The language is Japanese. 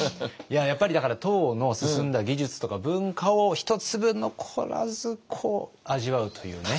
やっぱりだから唐の進んだ技術とか文化を一粒残らずこう味わうというね。